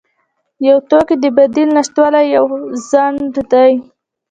د یو توکي د بدیل نشتوالی یو خنډ دی.